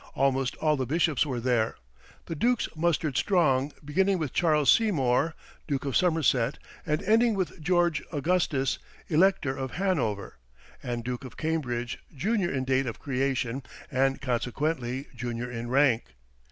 Almost all the bishops were there. The dukes mustered strong, beginning with Charles Seymour, Duke of Somerset; and ending with George Augustus, Elector of Hanover, and Duke of Cambridge, junior in date of creation, and consequently junior in rank.